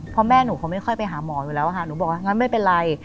เพราะแม่หนูเขาไม่ค่อยไปหาหมออยู่แล้วค่ะหนูบอกว่างั้นไม่เป็นไร